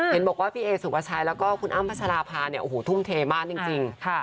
เห็นบอกว่าพี่เอสุภาชัยแล้วก็คุณอ้ำพัชราภาเนี่ยโอ้โหทุ่มเทมากจริง